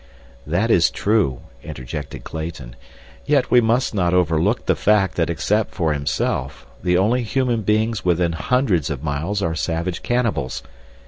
"That is true," interjected Clayton, "yet we must not overlook the fact that except for himself the only human beings within hundreds of miles are savage cannibals.